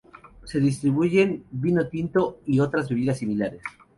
Se distribuyen vino tinto y otras bebidas similares.